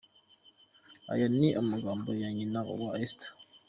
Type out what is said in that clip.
Aya ni amagambo ya nyina wa Esther.